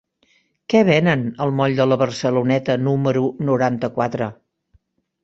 Què venen al moll de la Barceloneta número noranta-quatre?